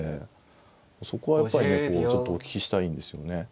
そこはやっぱりねちょっとお聞きしたいんですよね。